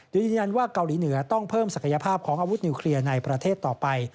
โดยยืนยันว่าเกาหลีเหนือต้องเพิ่มศักยภาพของอาวุธนิวเคลียร์ในประเทศต่อไป